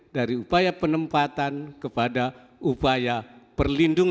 dari upaya penempatan kepada upaya perlindungan